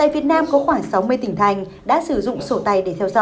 xin chào và hẹn gặp lại